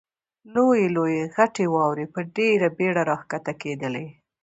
لویې لویې غټې واورې په ډېره بېړه را کښته کېدلې.